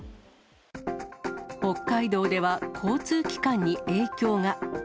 北海道では交通機関に影響が。